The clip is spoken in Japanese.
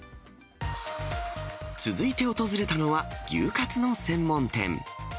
続いて訪れたのは、牛カツの専門店。